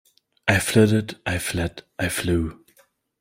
I flitted, I fled, I flew.